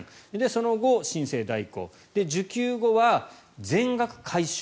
その後申請代行、受給後は全額回収。